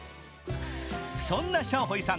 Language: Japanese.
そんなシャオホイさん